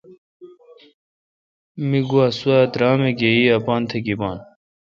می گو سوا درامہ گیی ام تہ گیبان۔